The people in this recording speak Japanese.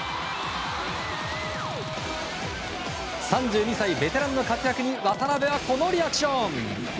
３２歳ベテランの活躍に渡邊は、このリアクション。